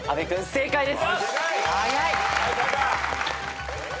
正解です。